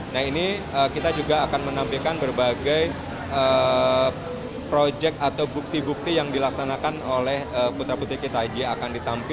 nah ini kita juga akan menampilkan berbagai proyek atau bukti bukti yang dilaksanakan oleh putra putih kita akan ditampilkan